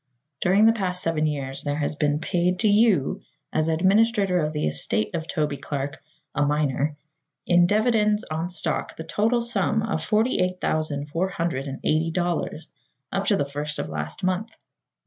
During the past seven years there has been paid to you, as administrator of the estate of Toby Clark, a minor, in dividends on stock, the total sum of forty eight thousand, four hundred and eighty dollars, up to the first of last month.